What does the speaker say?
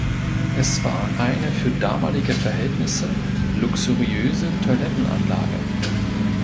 Es war „eine für damalige Verhältnisse luxuriöse Toilettenanlage“.